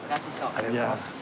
ありがとうございます。